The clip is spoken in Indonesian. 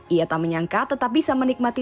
ia tak menyangka tetap bisa menikmati